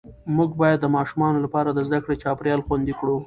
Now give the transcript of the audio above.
موږ باید د ماشومانو لپاره د زده کړې چاپېریال خوندي کړو